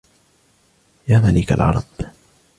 يا مليك العربِ